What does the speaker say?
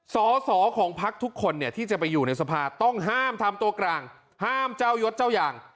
สอสอของพักทุกคนเนี่ยที่จะไปอยู่ในสภาต้องห้ามทำตัวกลางห้ามเจ้ายศเจ้าอย่าง